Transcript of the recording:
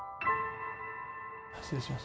失礼します